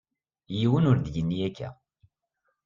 Yiwen ur d-yenni akka.